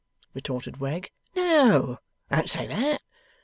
retorted Wegg: 'No, don't say that!